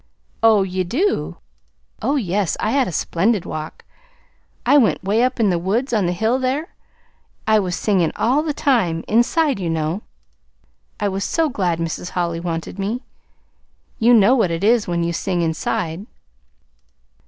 "Oh, ye do!" "Oh, yes. I had a splendid walk. I went 'way up in the woods on the hill there. I was singing all the time inside, you know. I was so glad Mrs. Holly wanted me. You know what it is, when you sing inside."